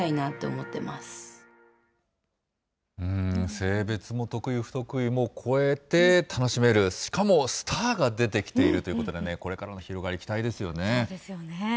性別も得意不得意も超えて楽しめる、しかもスターが出てきているということでね、これからの広がり、そうですよね。